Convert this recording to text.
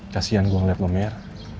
kasian gua ngeliat nomer